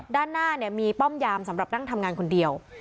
ด้านหน้ามีป้อมยามสำหรับนั่งทำงานคนเดียว